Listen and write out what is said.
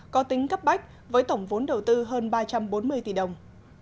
có tính cấp bách với tổng vốn đầu tư hơn ba trăm bốn mươi tỷ đồng